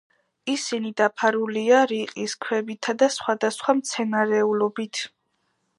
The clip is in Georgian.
ისინი დაფარულია რიყის ქვებითა და სხვადასხვა მცენარეულობით.